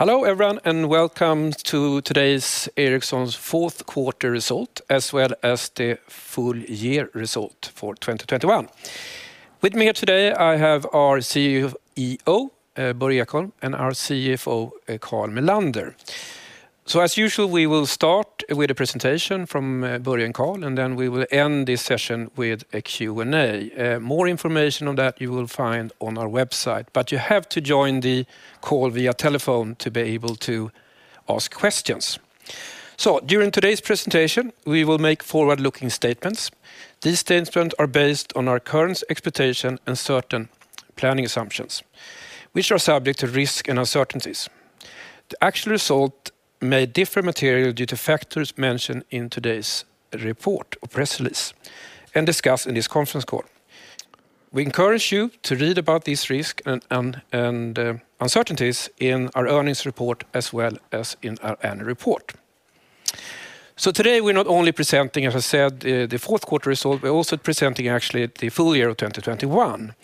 Hello, everyone, and welcome to today's Ericsson's fourth quarter result, as well as the full year result for 2021. With me here today I have our CEO, Börje Ekholm, and our CFO, Carl Mellander. As usual, we will start with a presentation from, Börje and Carl, and then we will end this session with a Q&A. More information on that you will find on our website, but you have to join the call via telephone to be able to ask questions. During today's presentation, we will make forward-looking statements. These statements are based on our current expectation and certain planning assumptions, which are subject to risk and uncertainties. The actual result may differ materially due to factors mentioned in today's report or press release and discussed in this conference call. We encourage you to read about this risk and uncertainties in our earnings report as well as in our annual report. Today, we're not only presenting, as I said, the fourth quarter result, we're also presenting actually the full year of 2021,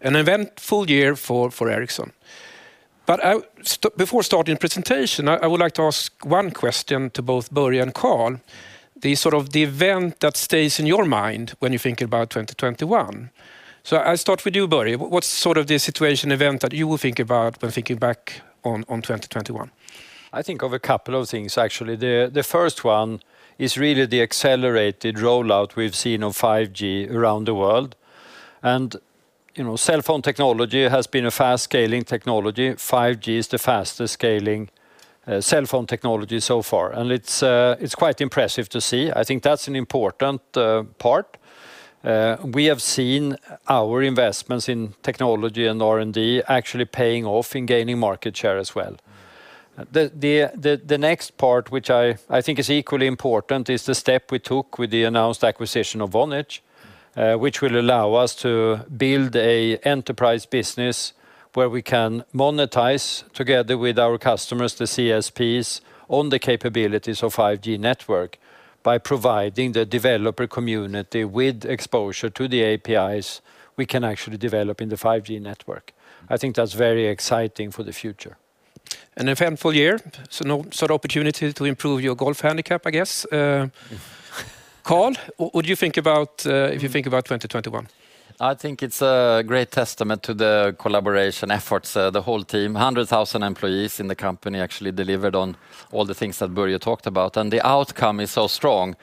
an eventful year for Ericsson. Before starting presentation, I would like to ask one question to both Börje and Carl, the sort of event that stays in your mind when you think about 2021. I'll start with you, Börje. What's sort of the situation, event that you will think about when thinking back on 2021? I think of a couple of things, actually. The first one is really the accelerated rollout we've seen on 5G around the world. You know, cellphone technology has been a fast-scaling technology. 5G is the fastest scaling cellphone technology so far, and it's quite impressive to see. I think that's an important part. We have seen our investments in technology and R&D actually paying off in gaining market share as well. The next part, which I think is equally important, is the step we took with the announced acquisition of Vonage, which will allow us to build an enterprise business where we can monetize together with our customers, the CSPs, on the capabilities of 5G network by providing the developer community with exposure to the APIs we can actually develop in the 5G network. I think that's very exciting for the future. An eventful year, so an opportunity to improve your golf handicap, I guess. Carl, what do you think about 2021? I think it's a great testament to the collaboration efforts of the whole team. 100,000 employees in the company actually delivered on all the things that Börje talked about, and the outcome is so strong.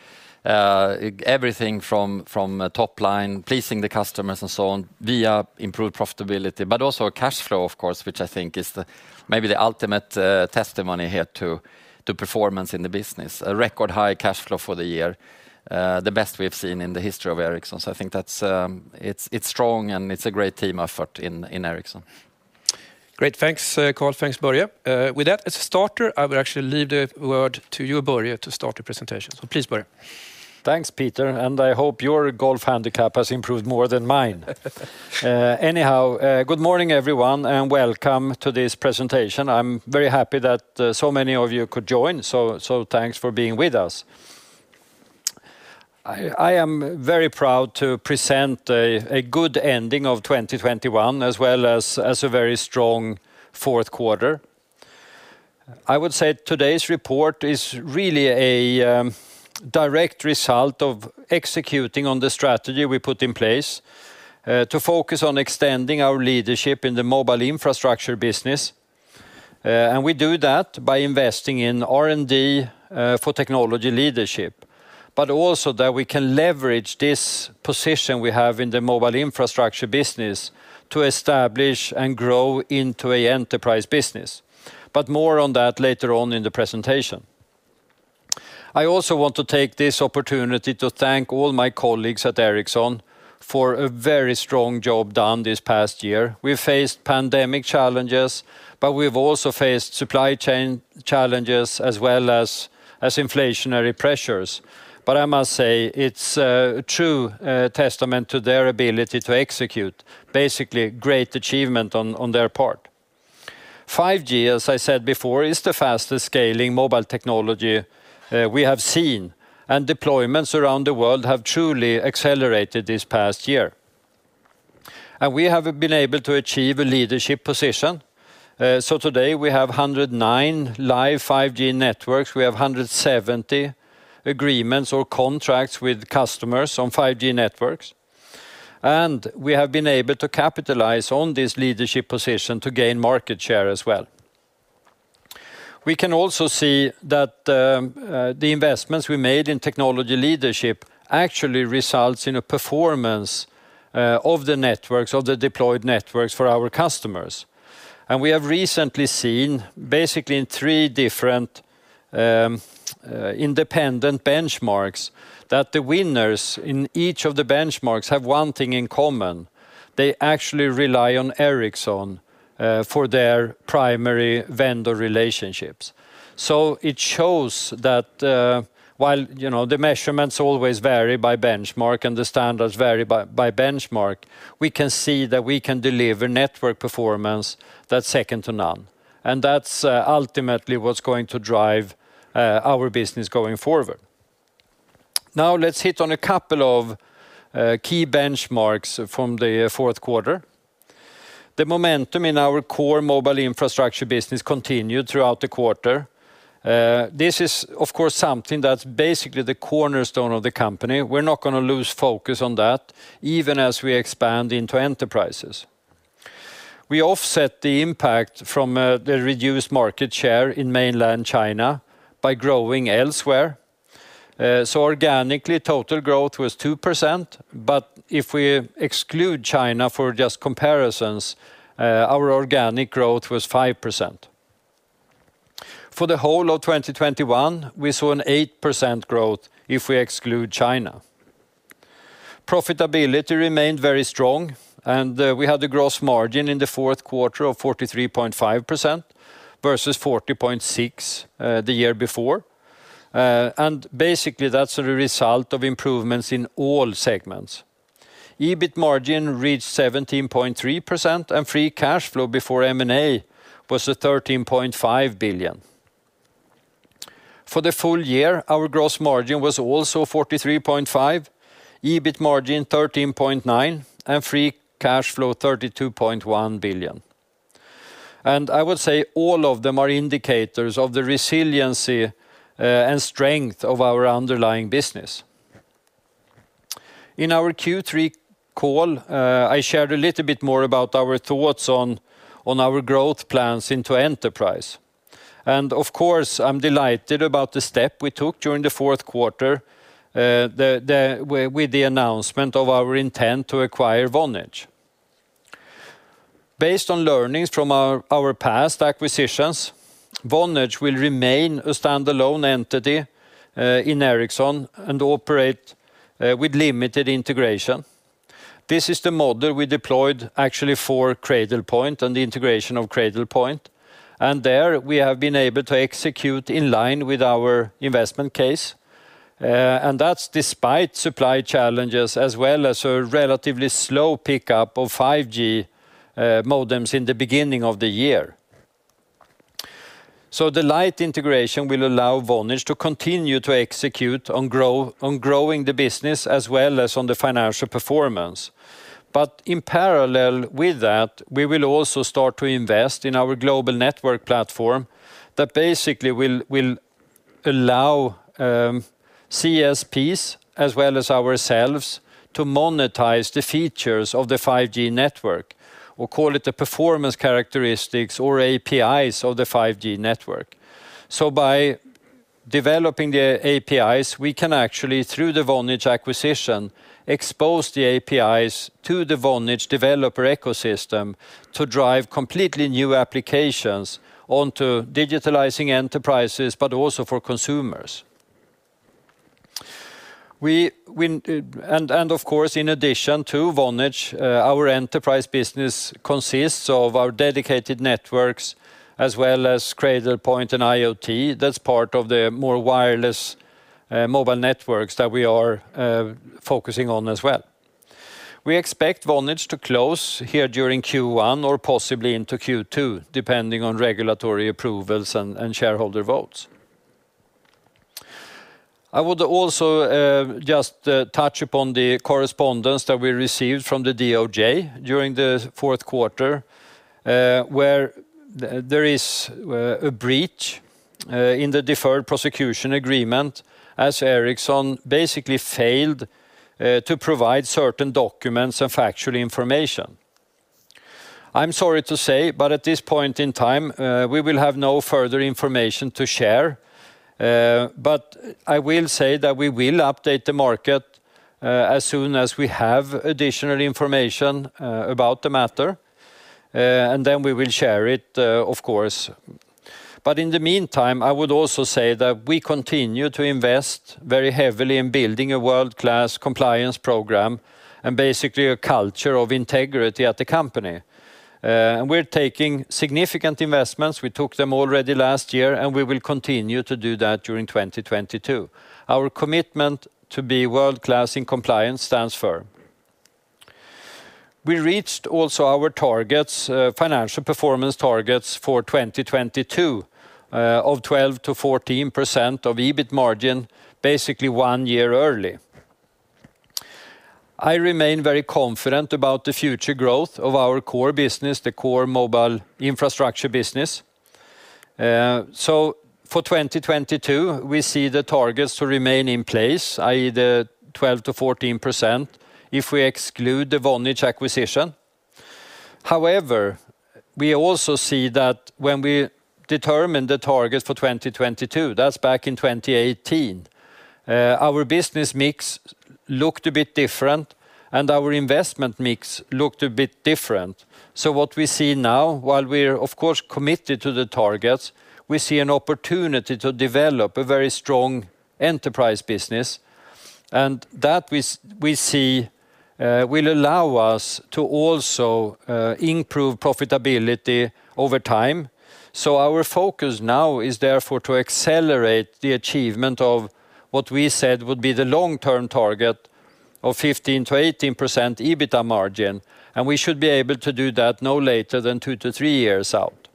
Everything from top line, pleasing the customers and so on, via improved profitability, but also cashflow, of course, which I think is the, maybe the ultimate, testimony here to performance in the business. A record high cashflow for the year, the best we have seen in the history of Ericsson. I think that's it. It's strong, and it's a great team effort in Ericsson. Great. Thanks, Carl. Thanks, Börje. With that as a starter, I will actually leave the word to you, Börje, to start the presentation. Please, Börje. Thanks, Peter, and I hope your golf handicap has improved more than mine. Anyhow, good morning, everyone, and welcome to this presentation. I'm very happy that so many of you could join, so thanks for being with us. I am very proud to present a good ending of 2021, as well as a very strong fourth quarter. I would say today's report is really a direct result of executing on the strategy we put in place to focus on extending our leadership in the mobile infrastructure business. We do that by investing in R&D for technology leadership, but also that we can leverage this position we have in the mobile infrastructure business to establish and grow into a enterprise business. More on that later on in the presentation. I also want to take this opportunity to thank all my colleagues at Ericsson for a very strong job done this past year. We faced pandemic challenges, but we've also faced supply chain challenges as well as inflationary pressures. I must say it's a true testament to their ability to execute. Basically, a great achievement on their part. 5G, as I said before, is the fastest scaling mobile technology we have seen, and deployments around the world have truly accelerated this past year. We have been able to achieve a leadership position, so today we have 109 live 5G networks. We have 170 agreements or contracts with customers on 5G networks. We have been able to capitalize on this leadership position to gain market share as well. We can also see that the investments we made in technology leadership actually results in a performance of the networks, of the deployed networks for our customers. We have recently seen, basically in three different independent benchmarks, that the winners in each of the benchmarks have one thing in common. They actually rely on Ericsson for their primary vendor relationships. It shows that while you know the measurements always vary by benchmark and the standards vary by benchmark, we can see that we can deliver network performance that's second to none, and that's ultimately what's going to drive our business going forward. Now let's hit on a couple of key benchmarks from the fourth quarter. The momentum in our core mobile infrastructure business continued throughout the quarter. This is of course something that's basically the cornerstone of the company. We're not gonna lose focus on that, even as we expand into enterprises. We offset the impact from the reduced market share in mainland China by growing elsewhere. Organically, total growth was 2%, but if we exclude China for just comparisons, our organic growth was 5%. For the whole of 2021, we saw an 8% growth if we exclude China. Profitability remained very strong, and we had the gross margin in the fourth quarter of 43.5% versus 40.6% the year before. Basically, that's a result of improvements in all segments. EBIT margin reached 17.3%, and free cash flow before M&A was 13.5 billion. For the full year, our gross margin was also 43.5%, EBIT margin 13.9%, and free cash flow 32.1 billion. I would say all of them are indicators of the resiliency and strength of our underlying business. In our Q3 call, I shared a little bit more about our thoughts on our growth plans into enterprise. Of course, I'm delighted about the step we took during the fourth quarter with the announcement of our intent to acquire Vonage. Based on learnings from our past acquisitions, Vonage will remain a standalone entity in Ericsson and operate with limited integration. This is the model we deployed actually for Cradlepoint and the integration of Cradlepoint. There we have been able to execute in line with our investment case. That's despite supply challenges as well as a relatively slow pickup of 5G modems in the beginning of the year. The light integration will allow Vonage to continue to execute on growing the business as well as on the financial performance. In parallel with that, we will also start to invest in our Global Network Platform that basically will allow CSPs as well as ourselves to monetize the features of the 5G network. We'll call it the performance characteristics or APIs of the 5G network. By developing the APIs, we can actually, through the Vonage acquisition, expose the APIs to the Vonage developer ecosystem to drive completely new applications onto digitalizing enterprises, but also for consumers. Of course, in addition to Vonage, our enterprise business consists of our dedicated networks as well as Cradlepoint and IoT. That's part of the more wireless mobile networks that we are focusing on as well. We expect Vonage to close here during Q1 or possibly into Q2, depending on regulatory approvals and shareholder votes. I would also just touch upon the correspondence that we received from the DOJ during the fourth quarter, where there is a breach in the deferred prosecution agreement as Ericsson basically failed to provide certain documents and factual information. I'm sorry to say, but at this point in time, we will have no further information to share. I will say that we will update the market as soon as we have additional information about the matter, and then we will share it, of course. In the meantime, I would also say that we continue to invest very heavily in building a world-class compliance program and basically a culture of integrity at the company. We're taking significant investments. We took them already last year, and we will continue to do that during 2022. Our commitment to be world-class in compliance stands firm. We reached also our targets, financial performance targets for 2022, of 12%-14% EBIT margin, basically one year early. I remain very confident about the future growth of our core business, the core mobile infrastructure business. For 2022, we see the targets to remain in place, i.e., the 12%-14%, if we exclude the Vonage acquisition. However, we also see that when we determined the target for 2022, that's back in 2018, our business mix looked a bit different, and our investment mix looked a bit different. What we see now, while we're of course committed to the targets, we see an opportunity to develop a very strong enterprise business that we see will allow us to also improve profitability over time. Our focus now is therefore to accelerate the achievement of what we said would be the long-term target of 15%-18% EBITA margin, and we should be able to do that no later than two-three years out.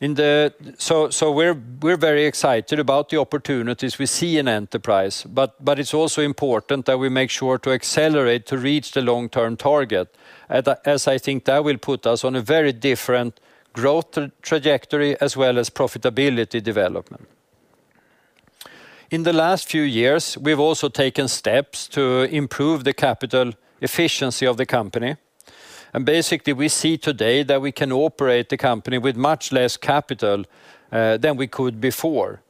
We're very excited about the opportunities we see in Enterprise, but it's also important that we make sure to accelerate to reach the long-term target. As I think that will put us on a very different growth trajectory as well as profitability development. In the last few years, we've also taken steps to improve the capital efficiency of the company, and basically we see today that we can operate the company with much less capital than we could before.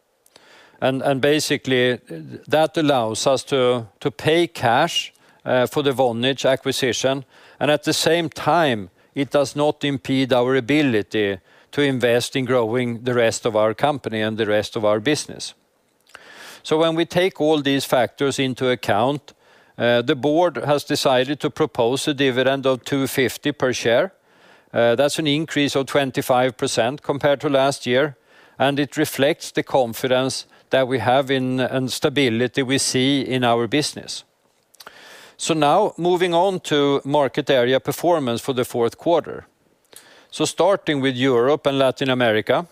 Basically that allows us to pay cash for the Vonage acquisition, and at the same time, it does not impede our ability to invest in growing the rest of our company and the rest of our business. When we take all these factors into account, the board has decided to propose a dividend of 2.50 per share. That's an increase of 25% compared to last year, and it reflects the confidence that we have and stability we see in our business. Now moving on to market area performance for the fourth quarter. Starting with Europe and Latin America,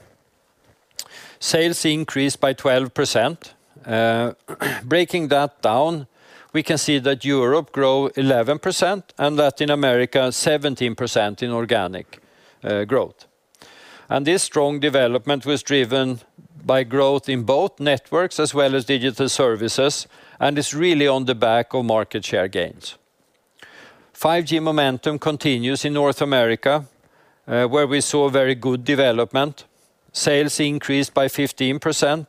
sales increased by 12%. Breaking that down, we can see that Europe grew 11% and Latin America 17% in organic growth. This strong development was driven by growth in both Networks as well as Digital Services and is really on the back of market share gains. 5G momentum continues in North America, where we saw very good development. Sales increased by 15%,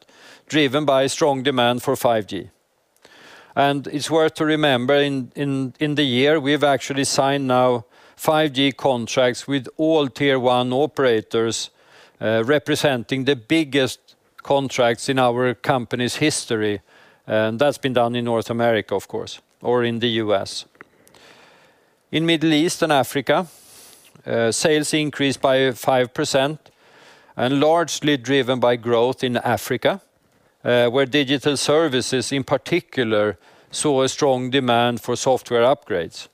driven by strong demand for 5G. It's worth to remember in the year, we've actually signed now 5G contracts with all Tier 1 operators, representing the biggest contracts in our company's history, and that's been done in North America, of course, or in the U.S. In Middle East and Africa, sales increased by 5% and largely driven by growth in Africa, where Digital Services in particular saw a strong demand for software upgrades.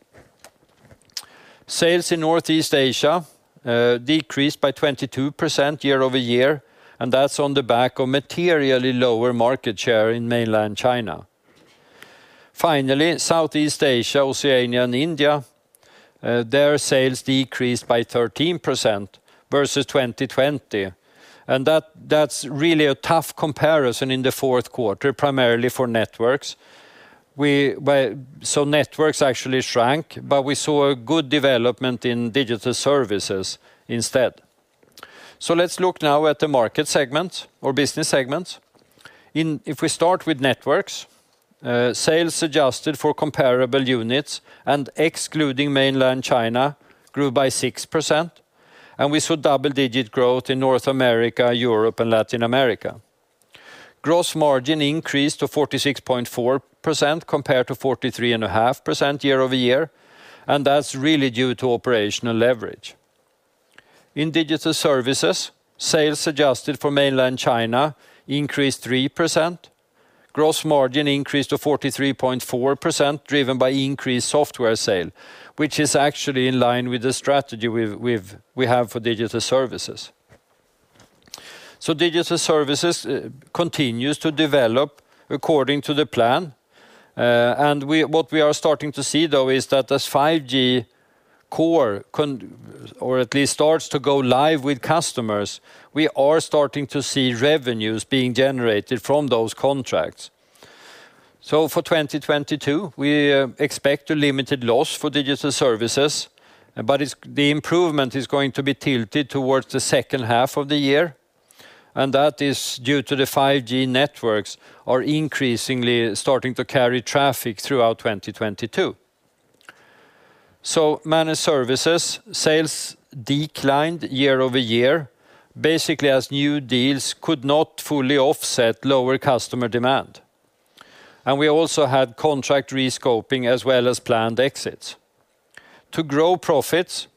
Sales in Northeast Asia decreased by 22% year-over-year, and that's on the back of materially lower market share in Mainland China. Finally, Southeast Asia, Oceania, and India, their sales decreased by 13% versus 2020, and that's really a tough comparison in the fourth quarter, primarily for Networks. Networks actually shrank, but we saw a good development in Digital Services instead. Let's look now at the market segments or business segments. If we start with Networks, sales adjusted for comparable units and excluding Mainland China grew by 6%, and we saw double-digit growth in North America, Europe, and Latin America. Gross margin increased to 46.4% compared to 43.5% year-over-year, and that's really due to operational leverage. In Digital Services, sales adjusted for Mainland China increased 3%. Gross margin increased to 43.4%, driven by increased software sales, which is actually in line with the strategy we have for Digital Services. Digital Services continues to develop according to the plan. What we are starting to see, though, is that as 5G Core or at least starts to go live with customers, we are starting to see revenues being generated from those contracts. For 2022, we expect a limited loss for Digital Services, but the improvement is going to be tilted towards the second half of the year, and that is due to the 5G networks are increasingly starting to carry traffic throughout 2022. Managed Services sales declined year-over-year, basically as new deals could not fully offset lower customer demand. We also had contract rescoping as well as planned exits. To grow profits,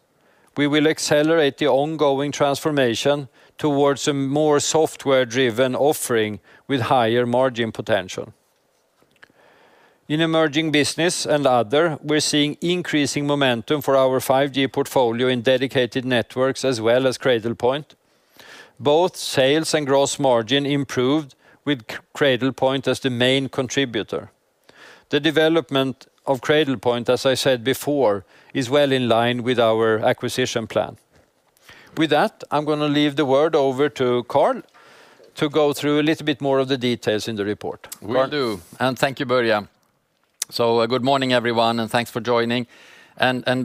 we will accelerate the ongoing transformation towards a more software-driven offering with higher margin potential. In Emerging Business and Other, we're seeing increasing momentum for our 5G portfolio in dedicated networks as well as Cradlepoint. Both sales and gross margin improved with Cradlepoint as the main contributor. The development of Cradlepoint, as I said before, is well in line with our acquisition plan. With that, I'm gonna leave the word over to Carl to go through a little bit more of the details in the report. Carl. Will do. Thank you, Börje. Good morning, everyone, and thanks for joining.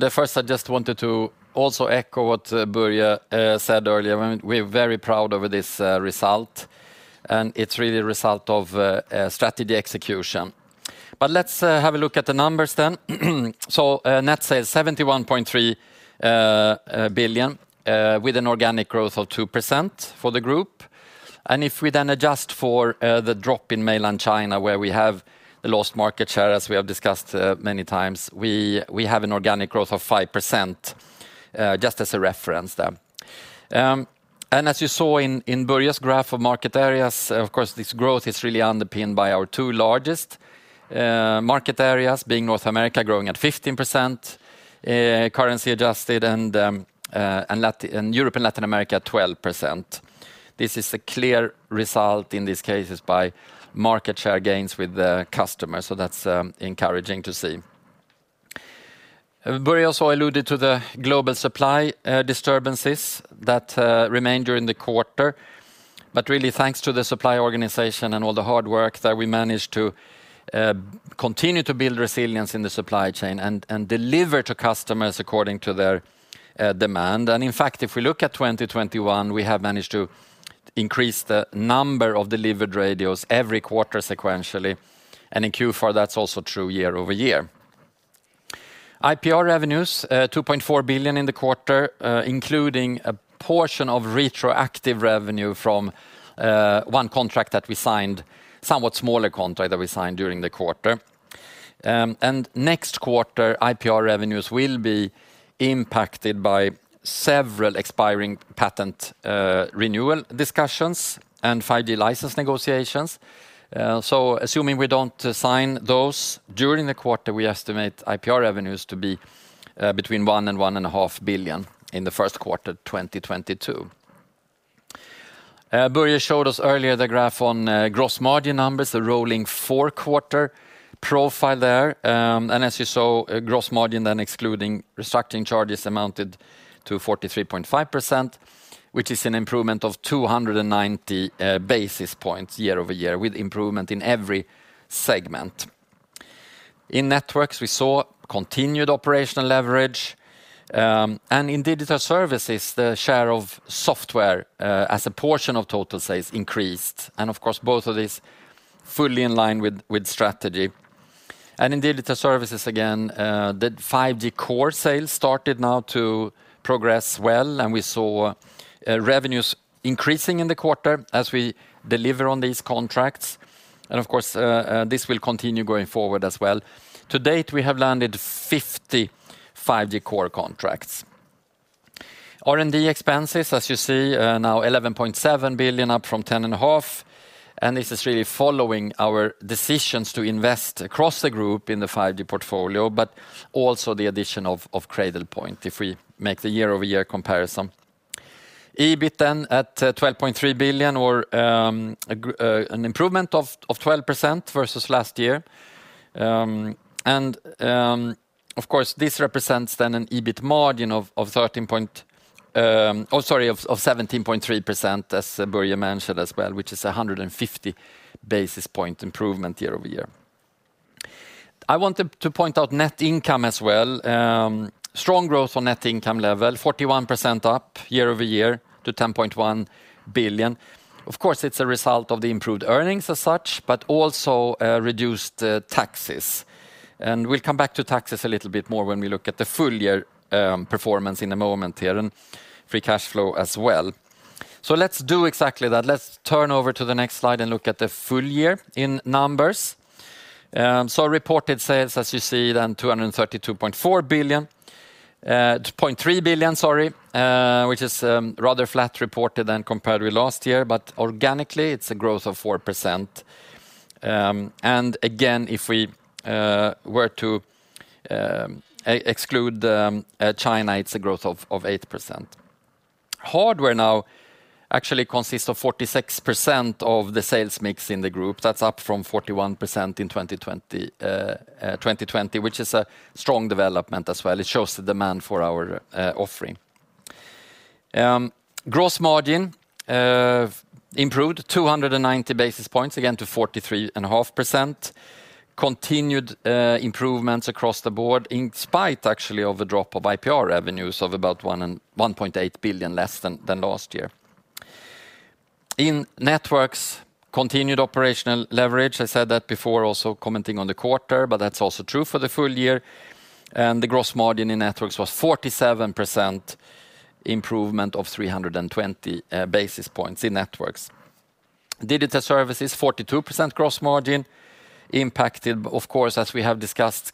First I just wanted to also echo what Börje said earlier. We're very proud over this result, and it's really a result of strategy execution. Let's have a look at the numbers then. Net sales 71.3 billion with an organic growth of 2% for the group. If we then adjust for the drop in Mainland China where we have the lost market share, as we have discussed many times, we have an organic growth of 5%, just as a reference there. As you saw in Börje's graph of market areas, of course, this growth is really underpinned by our two largest market areas, being North America growing at 15%, currency adjusted, and Europe and Latin America at 12%. This is a clear result in these cases by market share gains with the customers, so that's encouraging to see. Börje also alluded to the global supply disturbances that remained during the quarter. Really thanks to the supply organization and all the hard work that we managed to continue to build resilience in the supply chain and deliver to customers according to their demand. In fact, if we look at 2021, we have managed to increase the number of delivered radios every quarter sequentially, and in Q4 that's also true year-over-year. IPR revenues, 2.4 billion in the quarter, including a portion of retroactive revenue from one contract that we signed, somewhat smaller contract that we signed during the quarter. Next quarter, IPR revenues will be impacted by several expiring patent renewal discussions and 5G license negotiations. Assuming we don't sign those during the quarter, we estimate IPR revenues to be between 1 billion and 1.5 billion in the first quarter 2022. Börje showed us earlier the graph on gross margin numbers, the rolling four quarter profile there. As you saw, gross margin then excluding restructuring charges amounted to 43.5%, which is an improvement of 290 basis points year-over-year with improvement in every segment. In Networks, we saw continued operational leverage. In digital services, the share of software as a portion of total sales increased. Of course, both of these fully in line with strategy. In digital services again, the 5G Core sales started now to progress well, and we saw revenues increasing in the quarter as we deliver on these contracts. Of course, this will continue going forward as well. To date, we have landed 50 5G Core contracts. R&D expenses, as you see, now 11.7 billion, up from 10.5 billion, and this is really following our decisions to invest across the group in the 5G portfolio, but also the addition of Cradlepoint if we make the year-over-year comparison. EBIT at 12.3 billion or an improvement of 12% versus last year. Of course, this represents an EBIT margin of 17.3%, as Börje mentioned as well, which is a 150 basis point improvement year-over-year. I wanted to point out net income as well. Strong growth on net income level, 41% up year-over-year to 10.1 billion. Of course, it's a result of the improved earnings as such, but also reduced taxes. We'll come back to taxes a little bit more when we look at the full year performance in a moment here and free cash flow as well. Let's do exactly that. Let's turn over to the next slide and look at the full year in numbers. Reported sales, as you see, then 232.3 billion, which is rather flat reported than compared with last year, but organically, it's a growth of 4%. And again, if we were to exclude China, it's a growth of 8%. Hardware now actually consists of 46% of the sales mix in the group. That's up from 41% in 2020, which is a strong development as well. It shows the demand for our offering. Gross margin improved 290 basis points, again to 43.5%. Continued improvements across the board in spite actually of the drop of IPR revenues of about 1.8 billion less than last year. In Networks, continued operational leverage. I said that before also commenting on the quarter, but that's also true for the full year. The gross margin in Networks was 47% improvement of 320 basis points in Networks. Digital Services, 42% gross margin impacted, of course, as we have discussed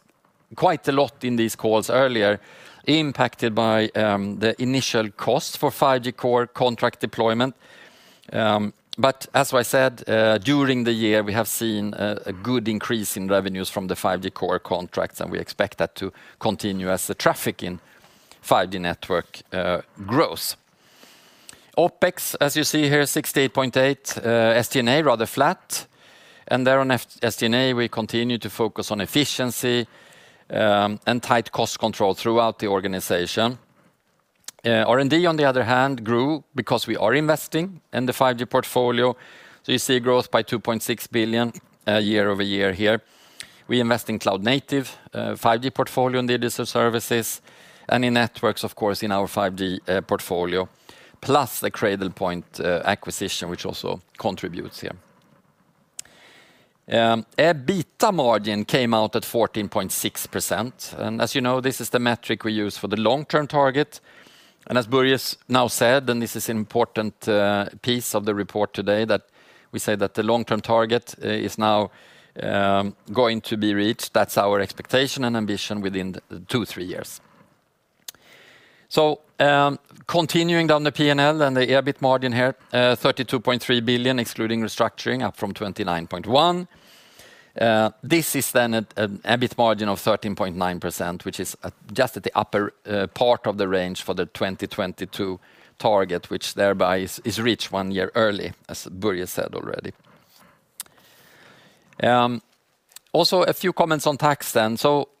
quite a lot in these calls earlier, impacted by the initial costs for 5G Core contract deployment. As I said during the year, we have seen a good increase in revenues from the 5G Core contracts, and we expect that to continue as the traffic in 5G network grows. OpEx, as you see here, 68.8, SG&A, rather flat. There on SG&A, we continue to focus on efficiency and tight cost control throughout the organization. R&D, on the other hand, grew because we are investing in the 5G portfolio. You see a growth by 2.6 billion year-over-year here. We invest in cloud native 5G portfolio in Digital Services, and in Networks, of course, in our 5G portfolio, plus the Cradlepoint acquisition, which also contributes here. EBITDA margin came out at 14.6%. As you know, this is the metric we use for the long-term target. As Börje's now said, and this is an important piece of the report today, that we say that the long-term target is now going to be reached, that's our expectation and ambition, within two-three years. Continuing down the P&L and the EBIT margin here, 32.3 billion, excluding restructuring, up from 29.1. This is then at EBIT margin of 13.9%, which is just at the upper part of the range for the 2022 target, which thereby is reached one year early, as Börje said already. Also a few comments on tax then.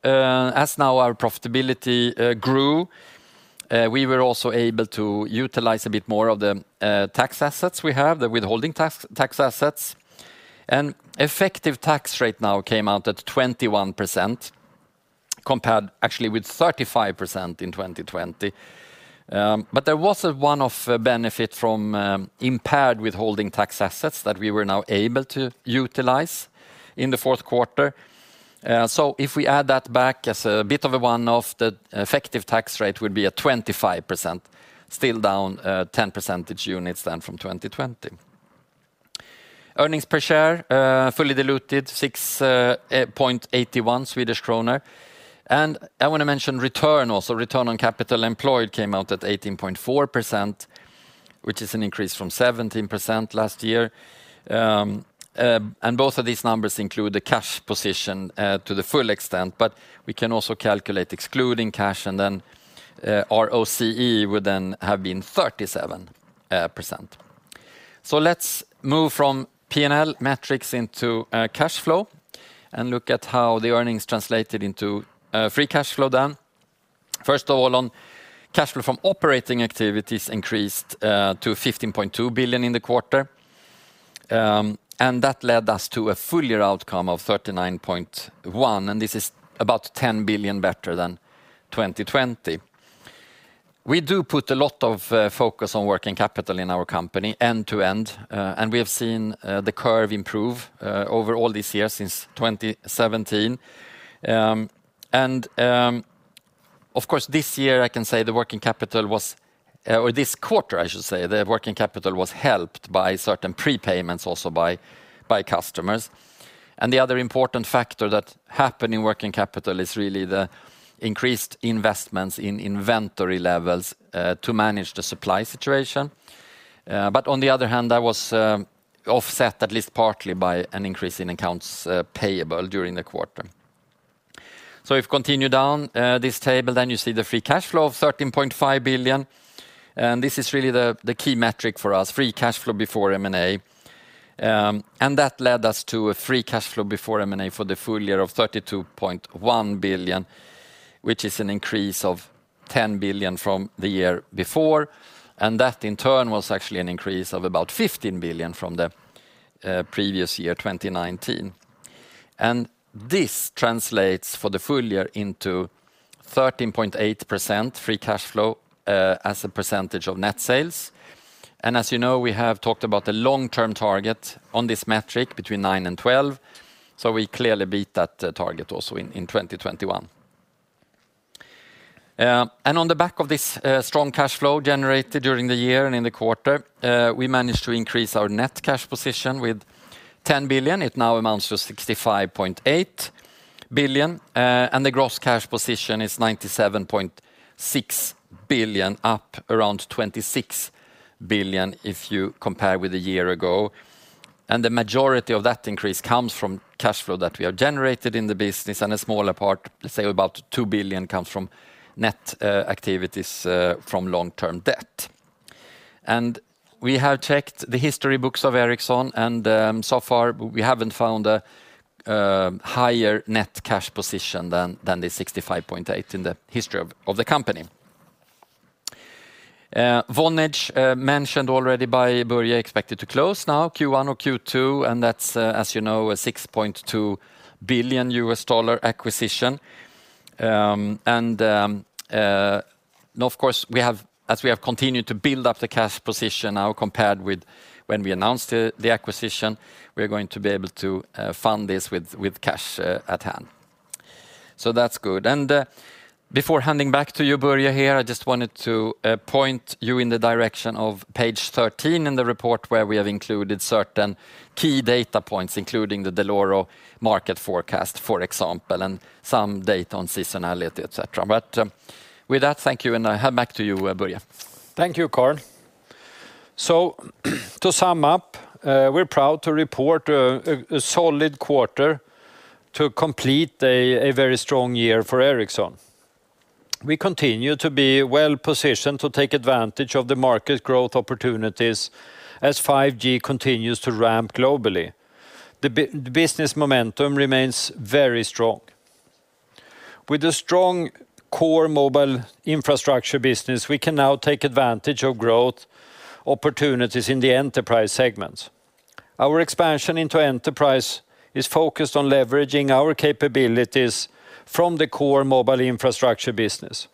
As now our profitability grew, we were also able to utilize a bit more of the tax assets we have, the withholding tax assets. Effective tax rate now came out at 21% compared actually with 35% in 2020. There was a one-off benefit from impaired withholding tax assets that we were now able to utilize in the fourth quarter. If we add that back as a bit of a one-off, the effective tax rate would be at 25%, still down 10 percentage units than from 2020. Earnings per share, fully diluted, 6.81 Swedish kronor. I wanna mention return also. Return on capital employed came out at 18.4%, which is an increase from 17% last year. Both of these numbers include the cash position to the full extent, but we can also calculate excluding cash, and then ROCE would then have been 37%. Let's move from P&L metrics into cash flow and look at how the earnings translated into free cash flow then. First of all, cash flow from operating activities increased to 15.2 billion in the quarter, and that led us to a full year outcome of 39.1 billion, and this is about 10 billion better than 2020. We do put a lot of focus on working capital in our company end to end, and we have seen the curve improve over all these years since 2017. Of course, this year I can say the working capital was, or this quarter, I should say, the working capital was helped by certain prepayments also by customers. The other important factor that happened in working capital is really the increased investments in inventory levels to manage the supply situation. On the other hand, that was offset at least partly by an increase in accounts payable during the quarter. If you continue down this table, then you see the free cash flow of 13.5 billion, and this is really the key metric for us, free cash flow before M&A. That led us to a free cash flow before M&A for the full year of 32.1 billion, which is an increase of 10 billion from the year before. That in turn was actually an increase of about 15 billion from the previous year, 2019. This translates for the full year into 13.8% free cash flow as a percentage of net sales. As you know, we have talked about the long-term target on this metric between 9%-12%, so we clearly beat that target also in 2021. On the back of this strong cash flow generated during the year and in the quarter, we managed to increase our net cash position with 10 billion. It now amounts to 65.8 billion. The gross cash position is 97.6 billion, up around 26 billion if you compare with a year ago. The majority of that increase comes from cash flow that we have generated in the business and a smaller part, let's say about 2 billion, comes from net activities from long-term debt. We have checked the history books of Ericsson and so far we haven't found a higher net cash position than the 65.8 billion in the history of the company. Vonage, mentioned already by Börje, expected to close now Q1 or Q2, and that's, as you know, a $6.2 billion acquisition. Of course we have, as we have continued to build up the cash position now compared with when we announced the acquisition, we are going to be able to fund this with cash at hand. That's good. Before handing back to you, Börje, here, I just wanted to point you in the direction of page 13 in the report where we have included certain key data points, including the Dell'Oro market forecast, for example, and some data on seasonality, et cetera. With that, thank you, and I hand back to you, Börje. Thank you, Carl. To sum up, we're proud to report a solid quarter to complete a very strong year for Ericsson. We continue to be well positioned to take advantage of the market growth opportunities as 5G continues to ramp globally. The business momentum remains very strong. With the strong core mobile infrastructure business, we can now take advantage of growth opportunities in the enterprise segments. Our expansion into enterprise is focused on leveraging our capabilities from the core mobile infrastructure business.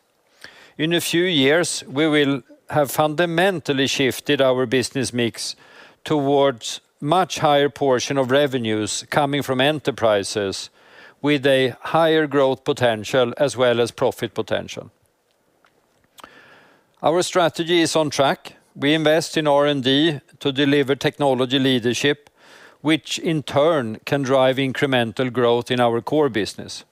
In a few years, we will have fundamentally shifted our business mix towards much higher portion of revenues coming from enterprises with a higher growth potential as well as profit potential. Our strategy is on track. We invest in R&D to deliver technology leadership, which in turn can drive incremental growth in our core business.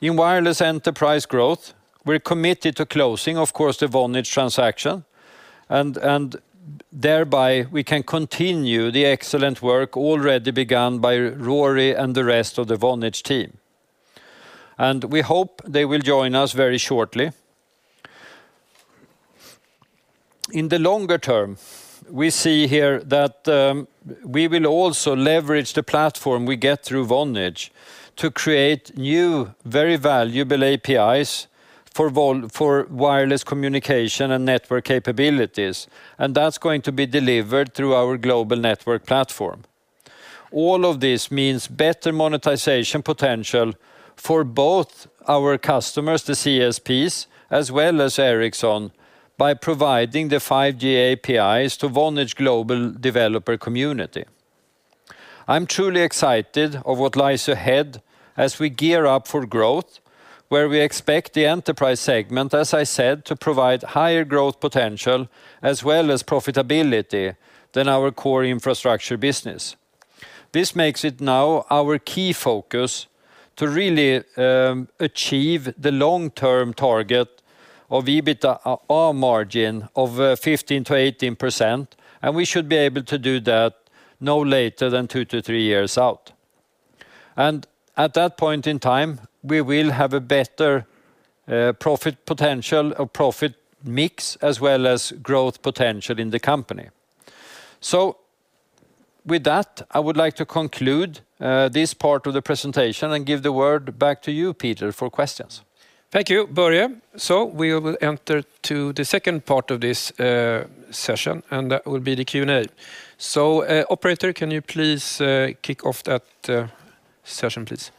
In wireless enterprise growth, we're committed to closing, of course, the Vonage transaction and thereby we can continue the excellent work already begun by Rory and the rest of the Vonage team. We hope they will join us very shortly. In the longer term, we see here that we will also leverage the platform we get through Vonage to create new, very valuable APIs for wireless communication and network capabilities, and that's going to be delivered through our Global Network Platform. All of this means better monetization potential for both our customers, the CSPs, as well as Ericsson, by providing the 5G APIs to Vonage global developer community. I'm truly excited of what lies ahead as we gear up for growth, where we expect the enterprise segment, as I said, to provide higher growth potential as well as profitability than our core infrastructure business. This makes it now our key focus to really achieve the long-term target of EBITA, a margin of 15%-18%, and we should be able to do that no later than two-three years out. At that point in time, we will have a better profit potential or profit mix as well as growth potential in the company. With that, I would like to conclude this part of the presentation and give the word back to you, Peter, for questions. Thank you, Börje. We will enter to the second part of this session, and that will be the Q&A. Operator, can you please kick off that session, please?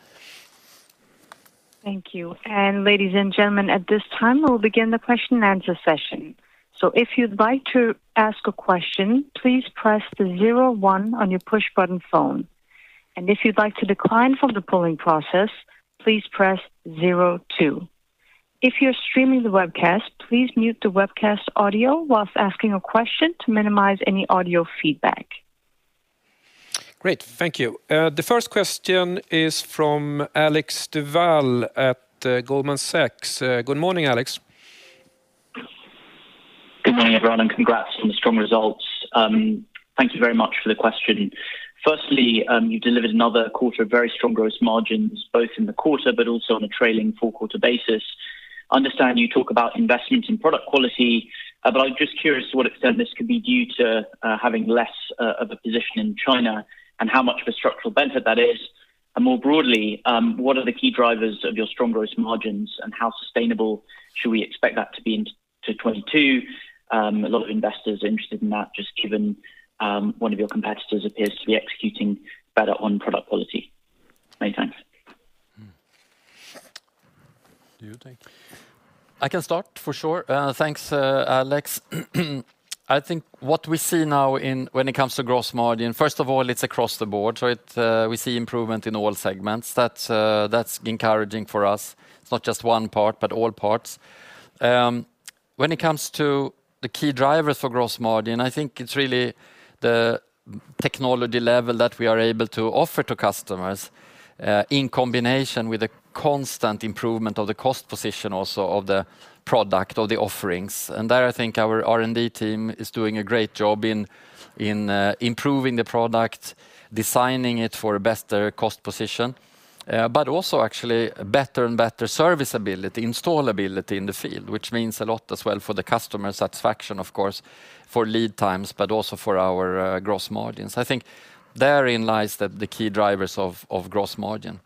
Thank you. Ladies and gentlemen, at this time, we'll begin the question and answer session. If you'd like to ask a question, please press zero one on your push-button phone. If you'd like to decline from the polling process, please press zero two. If you're streaming the webcast, please mute the webcast audio while asking a question to minimize any audio feedback. Great. Thank you. The first question is from Alexander Duval at Goldman Sachs. Good morning, Alex. Good morning, everyone, and congrats on the strong results. Thank you very much for the question. Firstly, you delivered another quarter of very strong gross margins, both in the quarter but also on a trailing four-quarter basis. I understand you talk about investments in product quality, but I'm just curious to what extent this could be due to having less of a position in China and how much of a structural benefit that is. More broadly, what are the key drivers of your strong gross margins and how sustainable should we expect that to be into 2022? A lot of investors are interested in that just given one of your competitors appears to be executing better on product quality. Many thanks. Do you take? I can start for sure. Thanks, Alex. I think what we see now when it comes to gross margin, first of all, it's across the board. We see improvement in all segments. That's encouraging for us. It's not just one part, but all parts. When it comes to the key drivers for gross margin, I think it's really the technology level that we are able to offer to customers, in combination with the constant improvement of the cost position also of the product or the offerings. There, I think our R&D team is doing a great job in improving the product, designing it for a better cost position, but also actually better and better serviceability, installability in the field, which means a lot as well for the customer satisfaction, of course, for lead times, but also for our gross margins. I think therein lies the key drivers of gross margin.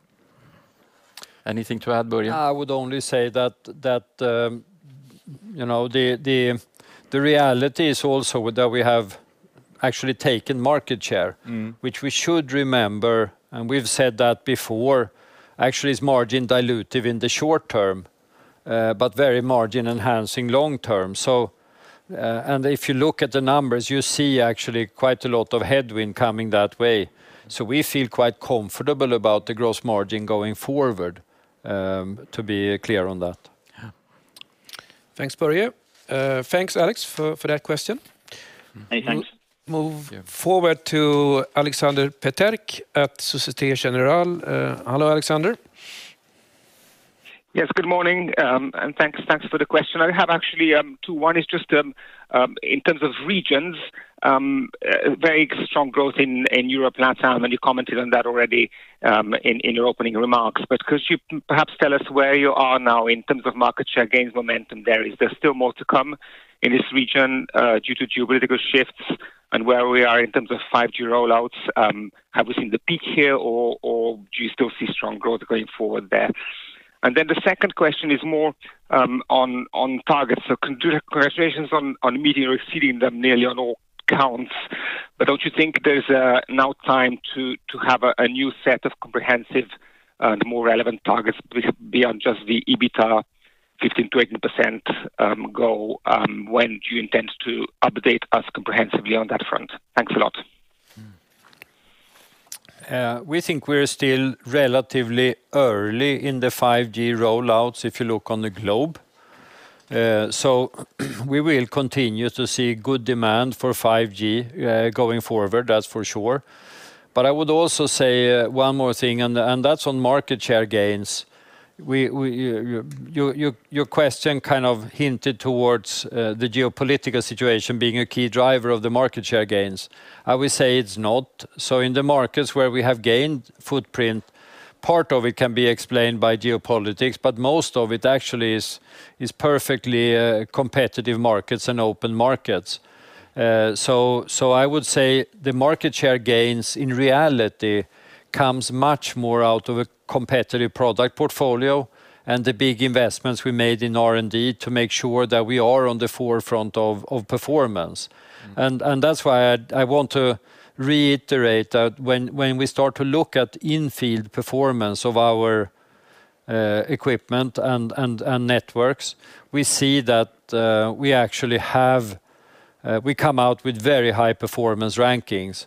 Anything to add, Börje? I would only say that, you know, the reality is also that we have actually taken market share. Mm. which we should remember, and we've said that before, actually is margin dilutive in the short term, but very margin enhancing long term. And if you look at the numbers, you see actually quite a lot of headwind coming that way. We feel quite comfortable about the gross margin going forward, to be clear on that. Yeah. Thanks, Börje. Thanks Alex for that question. Many thanks. Move forward to Alexander Peterc at Societe Generale. Hello, Alexander. Yes, good morning. Thanks for the question. I have actually two. One is just in terms of regions, very strong growth in Europe and LatAm, and you commented on that already in your opening remarks. Could you perhaps tell us where you are now in terms of market share gains, momentum there? Is there still more to come in this region due to geopolitical shifts and where we are in terms of 5G rollouts? Have we seen the peak here or do you still see strong growth going forward there? The second question is more on targets. Congratulations on meeting or exceeding them nearly on all counts. Don't you think there's now time to have a new set of comprehensive more relevant targets beyond just the EBITA 15%-18% goal? When do you intend to update us comprehensively on that front? Thanks a lot. We think we're still relatively early in the 5G rollouts, if you look on the globe. We will continue to see good demand for 5G going forward, that's for sure. I would also say one more thing and that's on market share gains. Your question kind of hinted towards the geopolitical situation being a key driver of the market share gains. I would say it's not. In the markets where we have gained footprint, part of it can be explained by geopolitics, but most of it actually is perfectly competitive markets and open markets. I would say the market share gains in reality comes much more out of a competitive product portfolio and the big investments we made in R&D to make sure that we are on the forefront of performance. That's why I want to reiterate that when we start to look at in-field performance of our equipment and networks, we see that we actually come out with very high performance rankings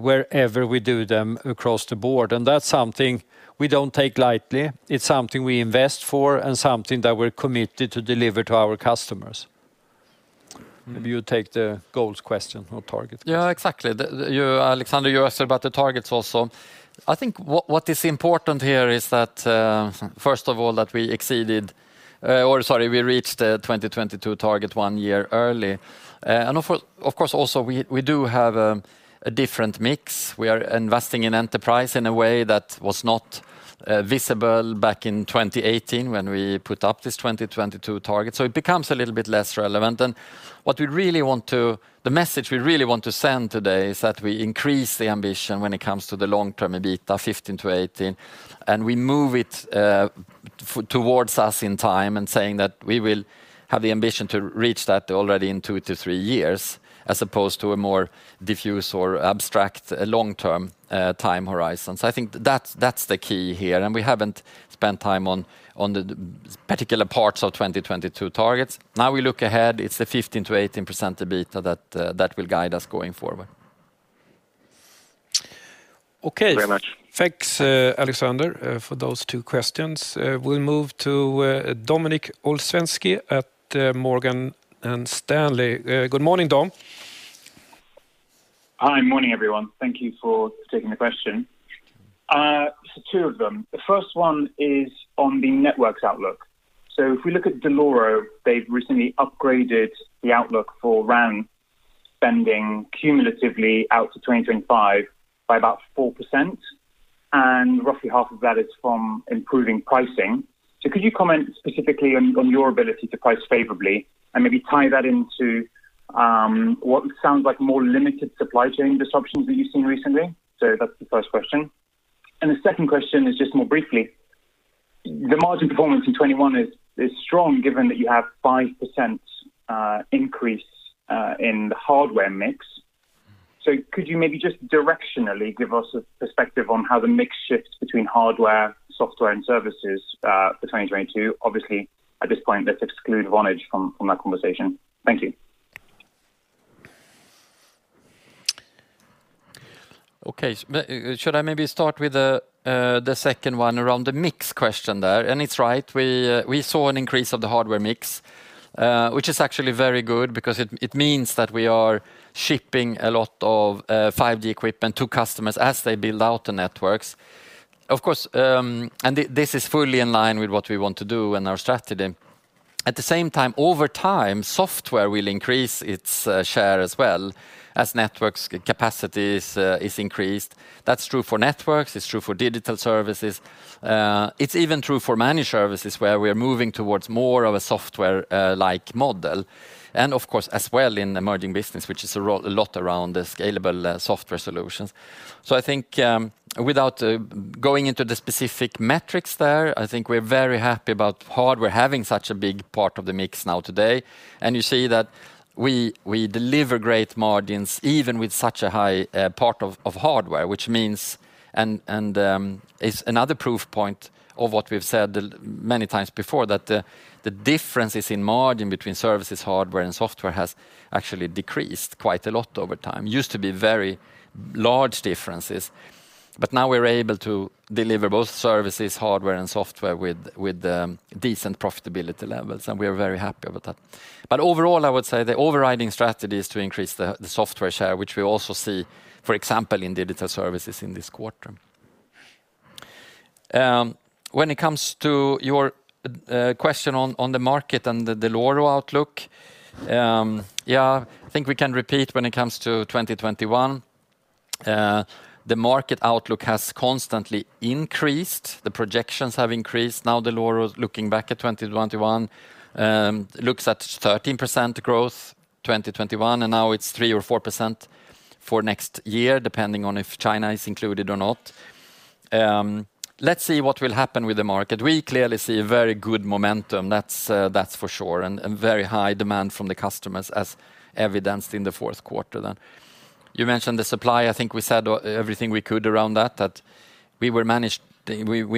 wherever we do them across the board. That's something we don't take lightly. It's something we invest for, and something that we're committed to deliver to our customers. Maybe you take the goals question or targets question. Yeah, exactly. You, Alexander, you asked about the targets also. I think what is important here is that first of all we reached the 2022 target one year early. Of course also we do have a different mix. We are investing in enterprise in a way that was not visible back in 2018 when we put up this 2022 target, so it becomes a little bit less relevant. The message we really want to send today is that we increase the ambition when it comes to the long-term EBITDA 15%-18%, and we move it forward towards us in time, and saying that we will have the ambition to reach that already in two-three years, as opposed to a more diffuse or abstract long-term time horizon. I think that's the key here. We haven't spent time on the particular parts of 2022 targets. Now we look ahead, it's the 15%-18% EBITDA that will guide us going forward. Okay. Very much. Thanks, Alexander, for those two questions. We'll move to Dominik Olszewski at Morgan Stanley. Good morning, Dom. Hi. Morning, everyone. Thank you for taking the question. Two of them. The first one is on the Networks outlook. If we look at Dell'Oro, they've recently upgraded the outlook for RAN spending cumulatively out to 2025 by about 4%, and roughly half of that is from improving pricing. Could you comment specifically on your ability to price favorably and maybe tie that into what sounds like more limited supply chain disruptions that you've seen recently? That's the first question. The second question is just more briefly. The margin performance in 2021 is strong given that you have 5% increase in the hardware mix. Could you maybe just directionally give us a perspective on how the mix shifts between hardware, software and services for 2022? Obviously at this point, let's exclude Vonage from that conversation. Thank you. Should I maybe start with the second one around the mix question there? It's right. We saw an increase of the hardware mix, which is actually very good because it means that we are shipping a lot of 5G equipment to customers as they build out the networks. Of course, this is fully in line with what we want to do and our strategy. At the same time, over time, software will increase its share as well as Networks capacities is increased. That's true for Networks, it's true for Digital Services. It's even true for Managed Services, where we are moving towards more of a software like model. Of course as well in Emerging Business, which is a lot around the scalable software solutions. I think without going into the specific metrics there, I think we're very happy about hardware having such a big part of the mix now today. You see that we deliver great margins even with such a high part of hardware. Which means is another proof point of what we've said many times before, that the differences in margin between services, hardware and software has actually decreased quite a lot over time. Used to be very large differences, but now we're able to deliver both services, hardware and software with decent profitability levels, and we are very happy about that. Overall, I would say the overriding strategy is to increase the software share, which we also see, for example, in Digital Services in this quarter. When it comes to your question on the market and the Dell'Oro outlook, yeah, I think we can repeat when it comes to 2021, the market outlook has constantly increased, the projections have increased. Now, Dell'Oro's looking back at 2021, looks at 13% growth, 2021, and now it's 3% or 4% for next year, depending on if China is included or not. Let's see what will happen with the market. We clearly see very good momentum, that's for sure, and very high demand from the customers as evidenced in the fourth quarter then. You mentioned the supply. I think we said everything we could around that, we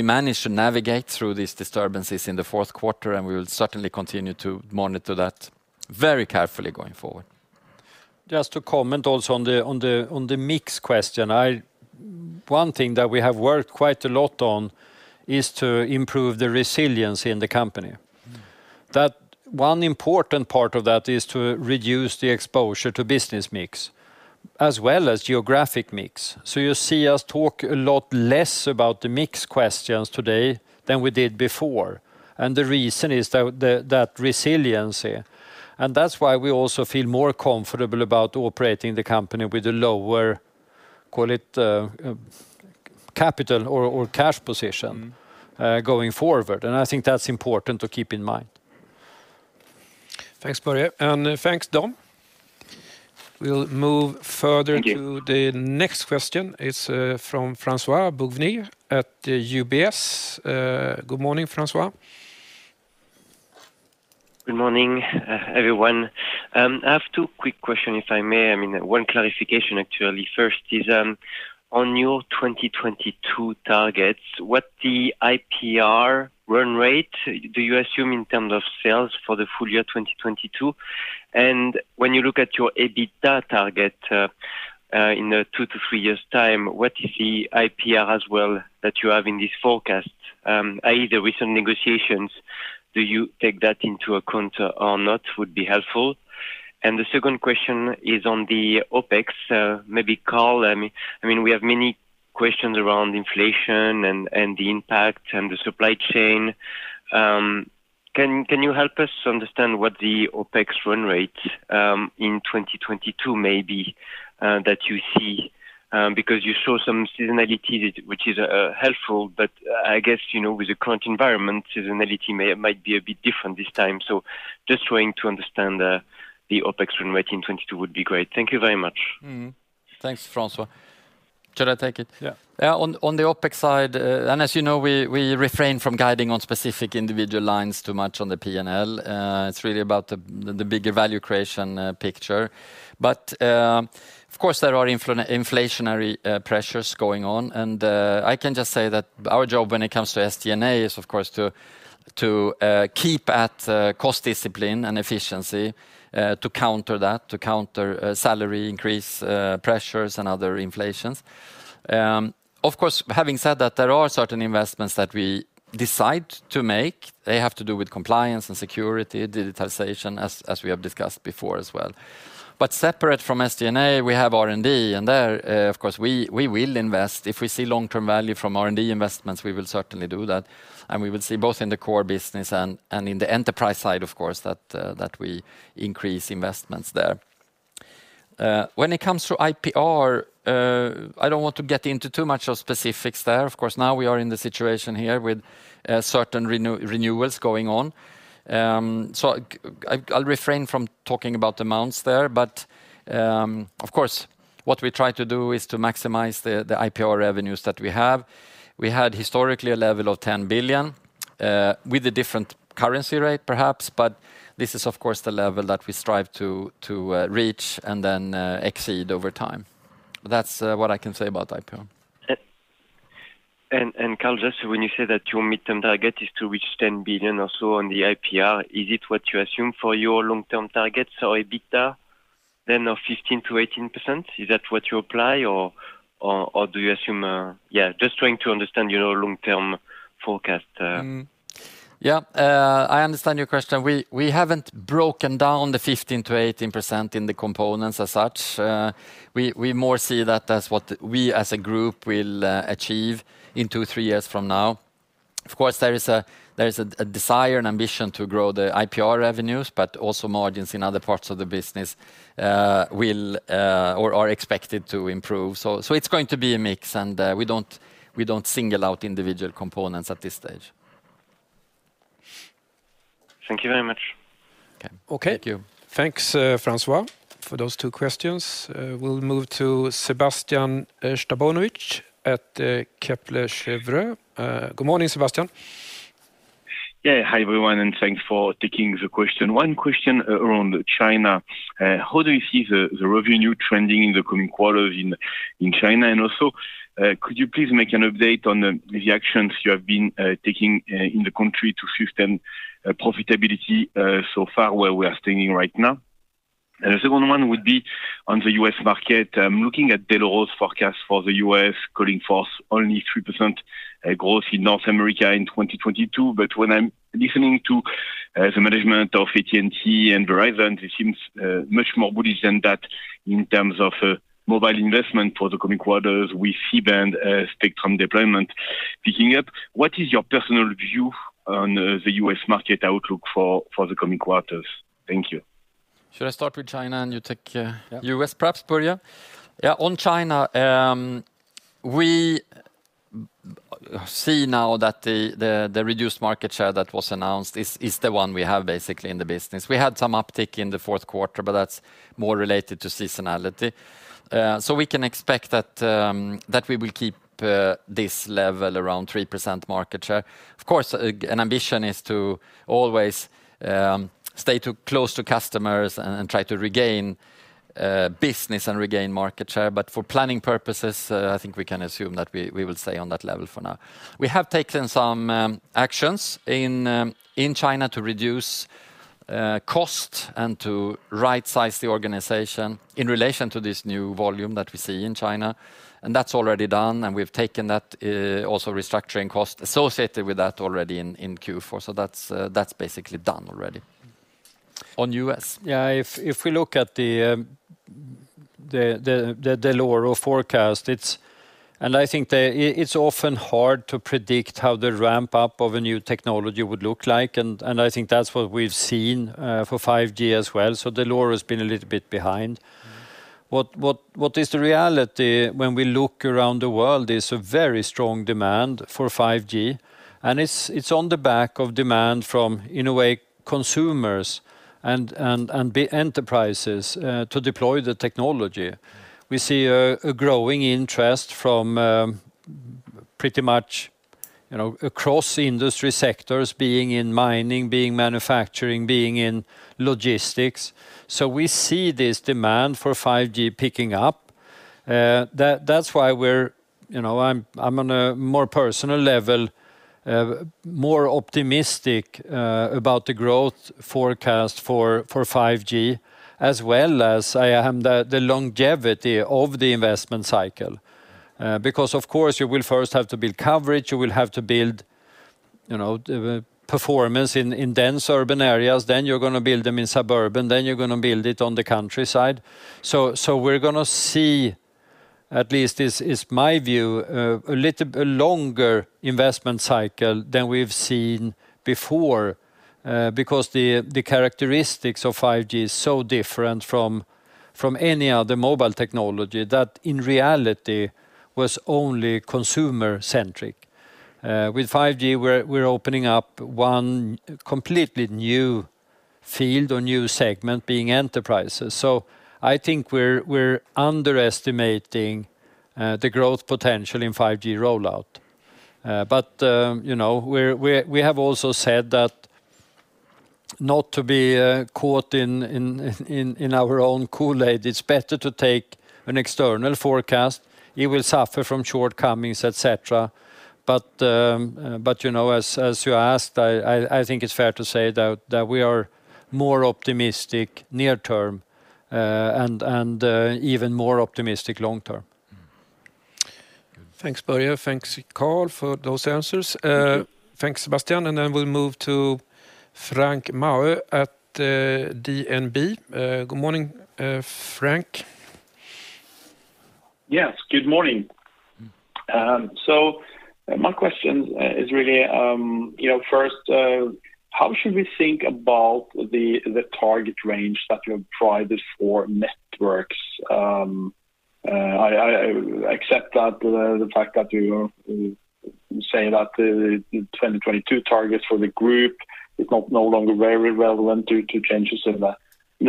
managed to navigate through these disturbances in the fourth quarter and we will certainly continue to monitor that very carefully going forward. Just to comment also on the mix question. One thing that we have worked quite a lot on is to improve the resilience in the company. That one important part of that is to reduce the exposure to business mix as well as geographic mix. So you see us talk a lot less about the mix questions today than we did before, and the reason is that resiliency. That's why we also feel more comfortable about operating the company with a lower, call it, capital or cash position going forward. I think that's important to keep in mind. Thanks, Börje, and thanks, Dom. We'll move further. Thank you. To the next question. It's from François-Xavier Bouvignies at UBS. Good morning, Francois. Good morning, everyone. I have two quick question, if I may. I mean, one clarification actually. First is, on your 2022 targets, what the IPR run rate do you assume in terms of sales for the full year 2022? When you look at your EBITDA target, in a two-three years' time, what is the IPR as well that you have in this forecast? I.e., the recent negotiations, do you take that into account or not, would be helpful. The second question is on the OpEx. Maybe Carl. I mean, we have many questions around inflation and the impact and the supply chain. Can you help us understand what the OpEx run rate in 2022 may be, that you see? Because you saw some seasonality which is helpful, but I guess, you know, with the current environment, seasonality might be a bit different this time. Just trying to understand the OpEx run rate in 2022 would be great. Thank you very much. Mm-hmm. Thanks, François. Should I take it? Yeah. Yeah. On the OpEx side, and as you know, we refrain from guiding on specific individual lines too much on the P&L. It's really about the bigger value creation picture. But of course, there are inflationary pressures going on. And I can just say that our job when it comes to SG&A is of course to keep cost discipline and efficiency to counter that, to counter salary increase pressures and other inflations. Of course, having said that, there are certain investments that we decide to make. They have to do with compliance and security, digitization as we have discussed before as well. But separate from SG&A, we have R&D, and there of course we will invest. If we see long-term value from R&D investments, we will certainly do that. We will see both in the core business and in the enterprise side, of course, that we increase investments there. When it comes to IPR, I don't want to get into too much of specifics there. Of course, now we are in the situation here with certain renewals going on. I'll refrain from talking about amounts there. Of course, what we try to do is to maximize the IPR revenues that we have. We had historically a level of 10 billion with a different currency rate perhaps, but this is of course the level that we strive to reach and then exceed over time. That's what I can say about IPR. Carl, just when you say that your midterm target is to reach 10 billion or so on the IPR, is it what you assume for your long-term targets or EBITDA then of 15%-18%? Is that what you apply or do you assume? Yeah, just trying to understand your long-term forecast. I understand your question. We haven't broken down the 15%-18% in the components as such. We more see that as what we as a group will achieve in two, three years from now. Of course, there is a desire and ambition to grow the IPR revenues, but also margins in other parts of the business will or are expected to improve. It's going to be a mix, and we don't single out individual components at this stage. Thank you very much. Okay. Thank you. Thanks, François, for those two questions. We'll move to Sébastien Sztabowicz at Kepler Cheuvreux. Good morning, Sébastien. Yeah. Hi, everyone, and thanks for taking the question. One question around China. How do you see the revenue trending in the coming quarters in China? Also, could you please make an update on the actions you have been taking in the country to shift profitability so far, where we are standing right now? The second one would be on the U.S. market. I'm looking at Dell'Oro's forecast for the U.S. calling for only 3% growth in North America in 2022. When I'm listening to the management of AT&T and Verizon, it seems much more bullish than that in terms of mobile investment for the coming quarters with C-band spectrum deployment picking up. What is your personal view on the U.S. market outlook for the coming quarters? Thank you. Should I start with China and you take, U.S. perhaps, Börje? Yeah. Yeah. On China, we see now that the reduced market share that was announced is the one we have basically in the business. We had some uptick in the fourth quarter, but that's more related to seasonality. We can expect that we will keep this level around 3% market share. Of course, an ambition is to always stay too close to customers and try to regain business and regain market share. For planning purposes, I think we can assume that we will stay on that level for now. We have taken some actions in China to reduce cost and to right size the organization in relation to this new volume that we see in China, and that's already done, and we've taken that also restructuring cost associated with that already in Q4. That's basically done already. On U.S. Yeah. If we look at the lower forecast, it's often hard to predict how the ramp up of a new technology would look like. I think that's what we've seen for 5G as well. The lower has been a little bit behind. What is the reality when we look around the world is a very strong demand for 5G, and it's on the back of demand from, in a way, consumers and the enterprises to deploy the technology. We see a growing interest from pretty much, you know, across industry sectors being in mining, being manufacturing, being in logistics. We see this demand for 5G picking up. That's why we're, you know, I'm on a more personal level more optimistic about the growth forecast for 5G as well as about the longevity of the investment cycle. Because of course you will first have to build coverage. You will have to build, you know, the performance in dense urban areas, then you're gonna build them in suburban, then you're gonna build it on the countryside. So we're gonna see at least, in my view, a little longer investment cycle than we've seen before. Because the characteristics of 5G is so different from any other mobile technology that in reality was only consumer centric. With 5G, we're opening up one completely new field or new segment being enterprises. So I think we're underestimating the growth potential in 5G rollout. You know, we have also said that not to be caught in our own Kool-Aid, it's better to take an external forecast. It will suffer from shortcomings, et cetera. You know, as you asked, I think it's fair to say that we are more optimistic near term, and even more optimistic long term. Thanks, Börje. Thanks, Carl, for those answers. Thanks, Sébastien. We'll move to Frank Maaø at DNB. Good morning, Frank. Yes, good morning. My question is really, you know, first, how should we think about the target range that you have provided for Networks? I accept the fact that you're saying that the 2022 targets for the group are no longer very relevant due to changes in the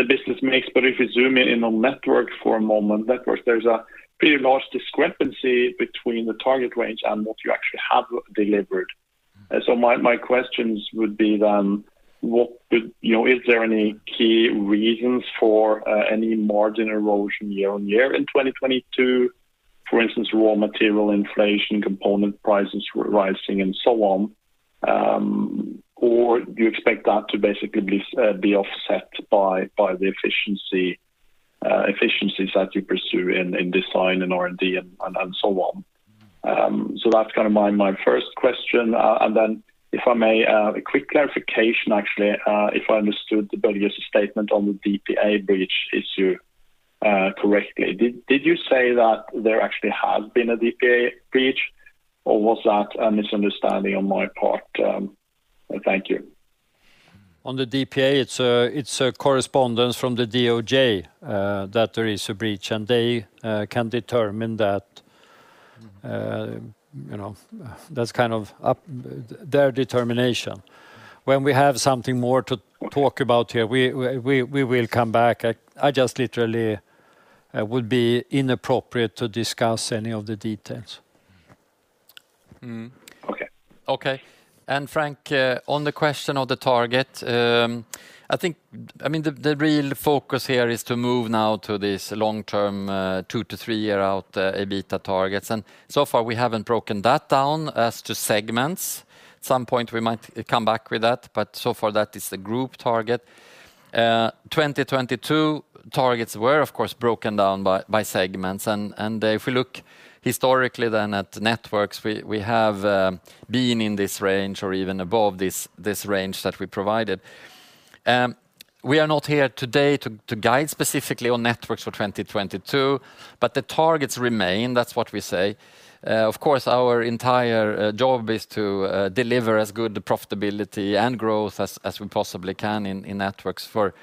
business mix. If you zoom in on Networks for a moment, there's a pretty large discrepancy between the target range and what you actually have delivered. My questions would be then, you know, is there any key reasons for any margin erosion year-on-year in 2022, for instance, raw material inflation, component prices rising, and so on? Do you expect that to basically be offset by the efficiencies that you pursue in design and R&D and so on? That's kinda my first question. If I may, a quick clarification actually, if I understood Börje's statement on the DPA breach issue correctly. Did you say that there actually has been a DPA breach or was that a misunderstanding on my part? Thank you. On the DPA, it's a correspondence from the DOJ that there is a breach and they can determine that. You know, that's kind of their determination. When we have something more to talk about here, we will come back. I just literally would be inappropriate to discuss any of the details. Okay. Okay. Frank, on the question of the target, I mean the real focus here is to move now to this long-term, two to three year out, EBITDA targets. So far we haven't broken that down as to segments. At some point we might come back with that, but so far that is the group target. 2022 targets were of course broken down by segments. If we look historically then at Networks, we have been in this range or even above this range that we provided. We are not here today to guide specifically on Networks for 2022, but the targets remain. That's what we say. Of course, our entire job is to deliver as good profitability and growth as we possibly can in Networks for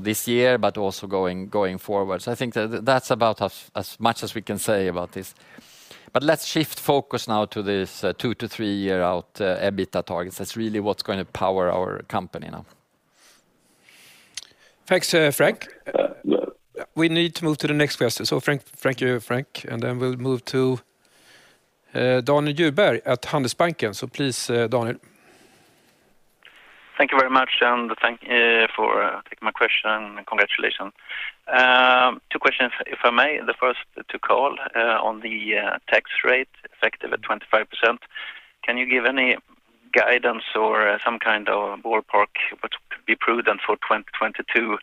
this year, but also going forward. I think that that's about as much as we can say about this. Let's shift focus now to this two- to three-year-out EBITDA targets. That's really what's gonna power our company now. Thanks, Frank. We need to move to the next question. Thank you, Frank. We'll move to Daniel Djurberg at Handelsbanken. Please, Daniel. Thank you very much, and thank for taking my question and congratulations. If I may, the first to call on the tax rate effective at 25%. Can you give any guidance or some kind of ballpark what could be prudent for 2022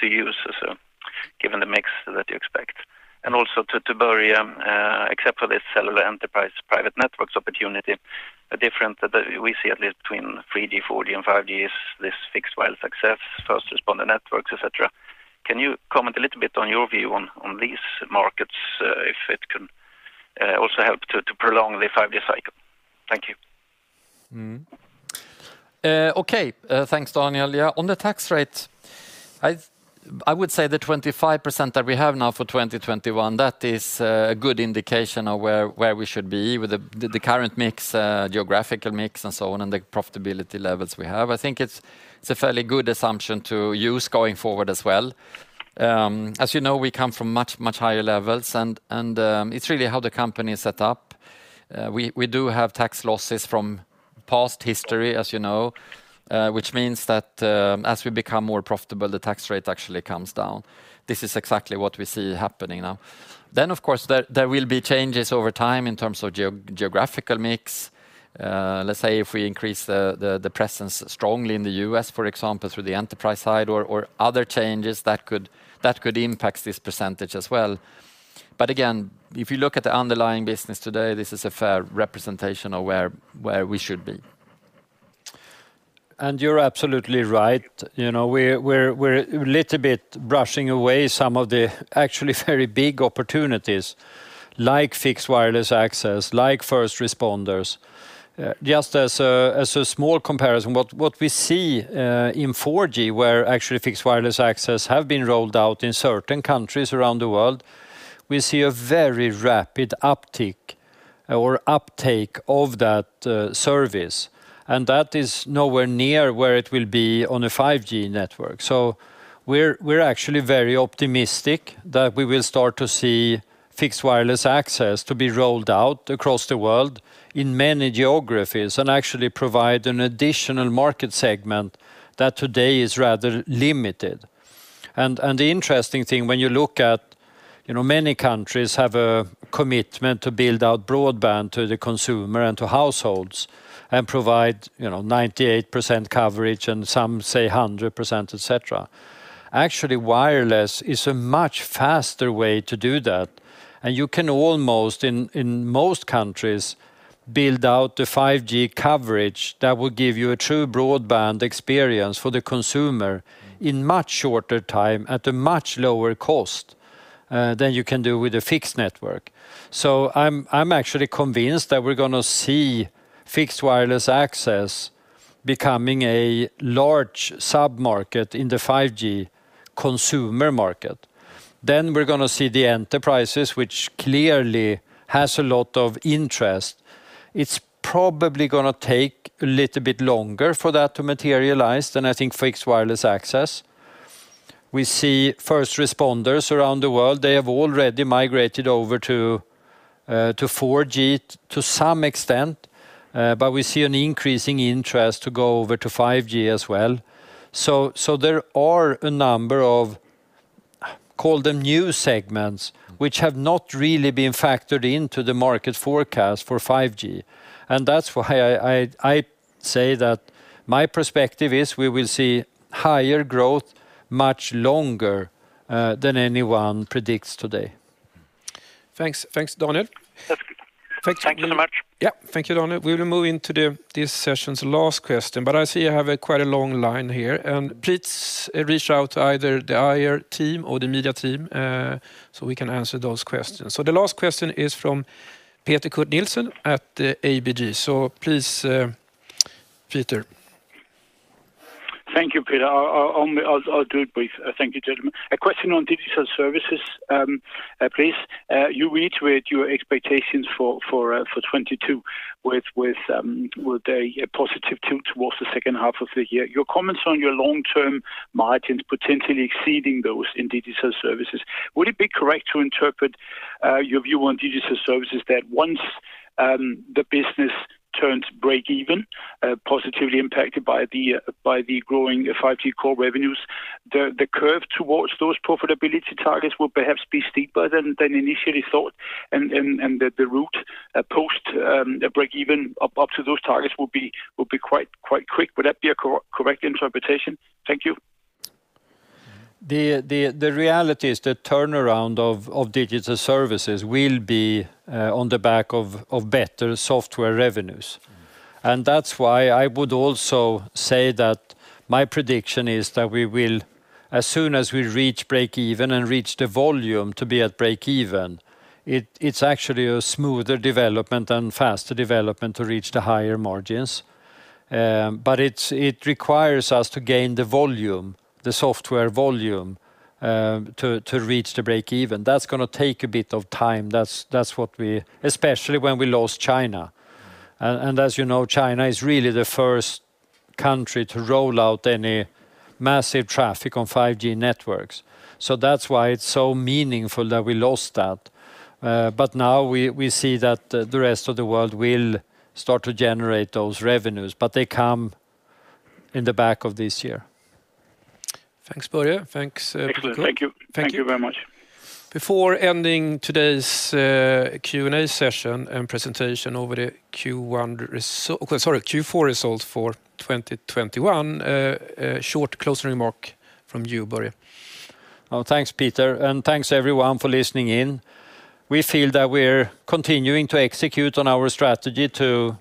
to use as a given the mix that you expect? To Börje, except for the cellular enterprise private networks opportunity, a difference that we see at least between 3G, 4G, and 5G is this Fixed Wireless Access, first responder networks, et cetera. Can you comment a little bit on your view on these markets, if it can also help to prolong the five-year cycle? Thank you. Okay. Thanks, Daniel. Yeah, on the tax rate, I would say the 25% that we have now for 2021, that is a good indication of where we should be with the current mix, geographical mix and so on, and the profitability levels we have. I think it's a fairly good assumption to use going forward as well. As you know, we come from much higher levels and it's really how the company is set up. We do have tax losses from past history, as you know, which means that as we become more profitable, the tax rate actually comes down. This is exactly what we see happening now. Of course, there will be changes over time in terms of geographical mix. Let's say if we increase the presence strongly in the U.S., for example, through the enterprise side or other changes that could impact this percentage as well. Again, if you look at the underlying business today, this is a fair representation of where we should be. You're absolutely right. You know, we're a little bit brushing away some of the actually very big opportunities like Fixed Wireless Access, like first responders. Just as a small comparison, what we see in 4G, where actually Fixed Wireless Access has been rolled out in certain countries around the world, we see a very rapid uptick or uptake of that service, and that is nowhere near where it will be on a 5G network. We're actually very optimistic that we will start to see Fixed Wireless Access to be rolled out across the world in many geographies and actually provide an additional market segment that today is rather limited. The interesting thing, when you look at, you know, many countries have a commitment to build out broadband to the consumer and to households and provide, you know, 98% coverage, and some say 100%, et cetera. Actually, wireless is a much faster way to do that. You can almost, in most countries, build out the 5G coverage that will give you a true broadband experience for the consumer in much shorter time, at a much lower cost, than you can do with a fixed network. I'm actually convinced that we're gonna see fixed wireless access becoming a large sub-market in the 5G consumer market. Then we're gonna see the enterprises, which clearly has a lot of interest. It's probably gonna take a little bit longer for that to materialize than I think fixed wireless access. We see first responders around the world. They have already migrated over to 4G to some extent. We see an increasing interest to go over to 5G as well. There are a number of, call them new segments, which have not really been factored into the market forecast for 5G. That's why I say that my perspective is we will see higher growth much longer than anyone predicts today. Thanks. Thanks, Daniel. That's good. Thank you. Thanks very much. Yeah. Thank you, Daniel. We'll move into this session's last question, but I see I have quite a long line here, and please, reach out to either the IR team or the media team, so we can answer those questions. The last question is from Peter Kurt Nielsen at ABG. Please, Peter. Thank you, Peter. I'll keep it brief. Thank you, gentlemen. A question on Digital Services, please. You reiterate your expectations for 2022 with a positive tone towards the second half of the year. Your comments on your long-term margins potentially exceeding those in Digital Services. Would it be correct to interpret your view on Digital Services that once the business turns breakeven, positively impacted by the growing 5G Core revenues, the curve towards those profitability targets will perhaps be steeper than initially thought, and the route post a breakeven up to those targets will be quite quick. Would that be a correct interpretation? Thank you. The reality is the turnaround of Digital Services will be on the back of better software revenues. That's why I would also say that my prediction is that we will, as soon as we reach breakeven and reach the volume to be at breakeven, it's actually a smoother development and faster development to reach the higher margins. But it requires us to gain the volume, the software volume, to reach the breakeven. That's gonna take a bit of time, especially when we lost China. As you know, China is really the first country to roll out any massive traffic on 5G networks. That's why it's so meaningful that we lost that. now we see that the rest of the world will start to generate those revenues, but they come in the back of this year. Thanks, Börje. Thanks, Peter Kurt. Excellent. Thank you. Thank you. Thank you very much. Before ending today's Q&A session and presentation over the Q4 results for 2021, a short closing remark from you, Börje. Thanks, Peter Nyquist, and thanks everyone for listening in. We feel that we're continuing to execute on our strategy to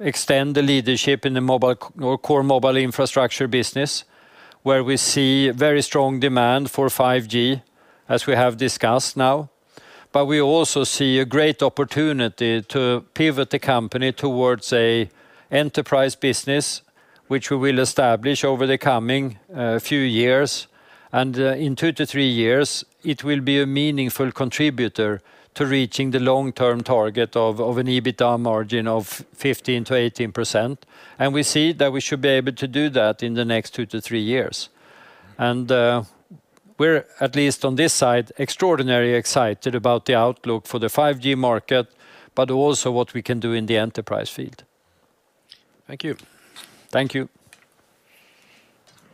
extend the leadership in the core mobile infrastructure business, where we see very strong demand for 5G, as we have discussed now. We also see a great opportunity to pivot the company towards an enterprise business, which we will establish over the coming few years. In two-three years, it will be a meaningful contributor to reaching the long-term target of an EBITA margin of 15%-18%, and we see that we should be able to do that in the next two-three years. We're, at least on this side, extraordinarily excited about the outlook for the 5G market, but also what we can do in the enterprise field. Thank you. Thank you.